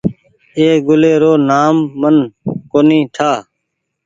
اي گلي رو نآم من ڪونيٚ ٺآ۔